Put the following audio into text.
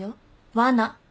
わな。